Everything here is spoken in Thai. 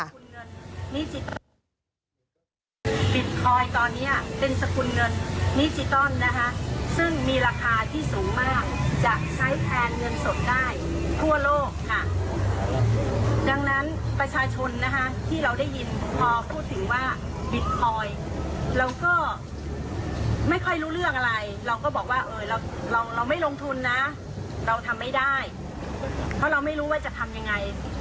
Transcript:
เราทำไม่ได้เพราะเราไม่รู้ว่าจะทำยังไง